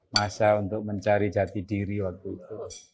masa untuk mencari jati diri waktu itu